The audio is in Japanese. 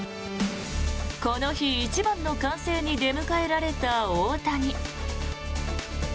この日一番の歓声に出迎えられた大谷。